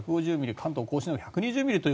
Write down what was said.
関東・甲信が１２０ミリです。